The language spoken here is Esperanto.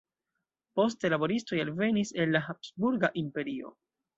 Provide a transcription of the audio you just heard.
Poste laboristoj alvenis el la Habsburga Imperio.